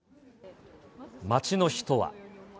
街の人は。